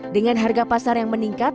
dengan harga pasar yang meningkat